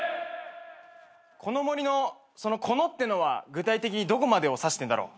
「この森」のその「この」っていうのは具体的にどこまでを指してんだろう。